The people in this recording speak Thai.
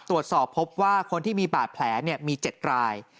ตรวจสอบพบว่าคนที่มีบาดแผลมี๗ราย